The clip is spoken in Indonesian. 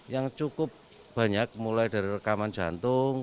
yang cukup banyak mulai dari rekaman jantung